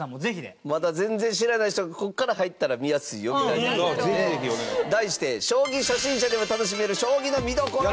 高橋：まだ全然知らない人がここから入ったら見やすいよみたいなのとかね。題して、将棋初心者でも楽しめる将棋の見どころ！